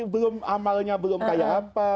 belum amalnya belum kayak apa